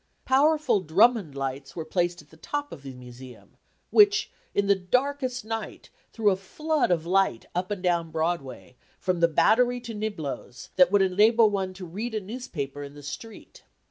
Powerful Drummond lights were placed at the top of the Museum, which, in the darkest night, threw a flood of light up and down Broadway, from the Battery to Niblo's, that would enable one to read a newspaper in the street.